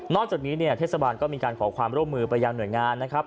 จากนี้เนี่ยเทศบาลก็มีการขอความร่วมมือไปยังหน่วยงานนะครับ